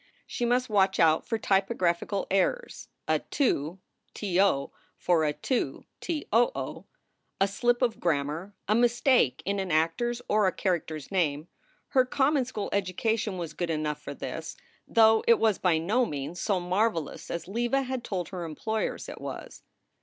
She must watch out for typo graphical errors, a "to" for a "too," a slip of grammar, a mistake in an actor s or a character s name. Her common school education was good enough for this, though it was by no means so marvelous as Leva had told her employers it was.